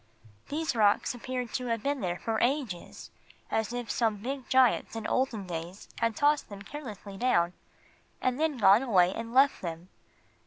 These rocks appeared to have been there for ages, as if some big giants in olden days had tossed them carelessly down and then gone away and left them.